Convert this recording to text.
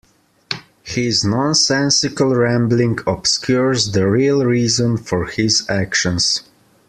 His nonsensical rambling obscures the real reason for his actions.